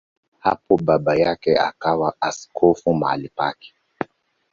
Hapo baba yake akawa askofu mahali pake.